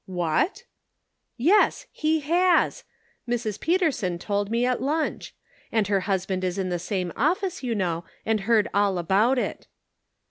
"What!" " Yes, he has ; Mrs. Peterson told me at lunch ; and her husband is in the same office, you know, and heard all about it."